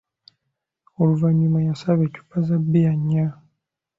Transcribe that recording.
Oluvannyuma yasaba eccupa za bbiya nnya.